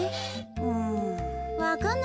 うん。